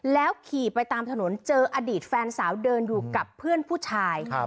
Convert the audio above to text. แล้วขี่ไปตามถนนเจออดีตแฟนสาวเดินอยู่กับเพื่อนผู้ชาย